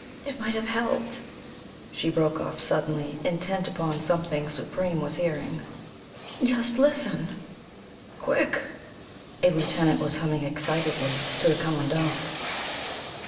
It might have helped " She broke off suddenly, intent upon something Supreme was hearing. "Just listen!" "Quick!" a lieutenant was humming excitedly to the commandant.